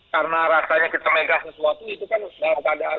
karena rasanya kita megah sesuatu itu kan dalam keadaan emirnya yang sangat